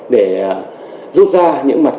để rút ra những mặt ưu